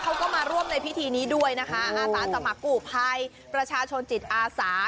เขาก็มาร่วมในพิธีนี้ด้วยนะคะอาสาสมัครกู้ภัยประชาชนจิตอาสา